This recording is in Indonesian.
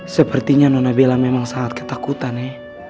sepertinya nona bella memang sangat ketakutan ye